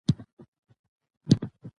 خوشحاله سوم چي پیداکړې